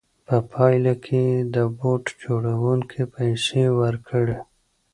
په پایله کې یې د بوټ جوړوونکي پیسې ورکړې